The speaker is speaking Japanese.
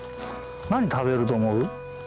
何食べると思う？